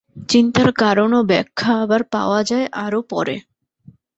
চিন্তার কারণ ও ব্যাখ্যা আবার পাওয়া যায় আরও পরে।